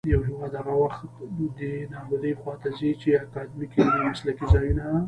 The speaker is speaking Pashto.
يـو هـېواد هغـه وخـت دې نـابـودۍ خـواته ځـي ،چـې اکـادميـک، عـلمـي او مـسلـکي ځـايـونــه